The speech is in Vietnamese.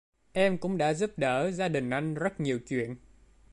Em cũng đã giúp đỡ gia đình anh rất nhiều chuyện